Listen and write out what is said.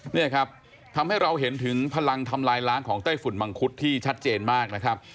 นี่ครับทำให้เราเห็นถึงพลังทำลายล้างของไต้ฝุ่นมังคุดที่ชัดเจนมากนะครับ